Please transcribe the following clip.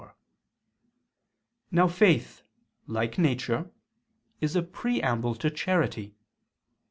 Now faith, like nature, is a preamble to charity.